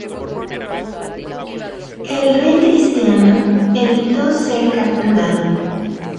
El rey cristiano evitó ser capturado.